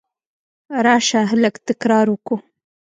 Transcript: راسه! لږ تکرار وکو.